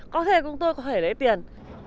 có thể chúng tôi có thể lấy tiền